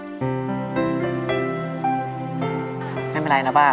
แป๊อมไม่เป็นไรเนอะป้า